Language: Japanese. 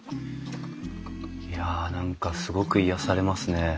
いや何かすごく癒やされますね。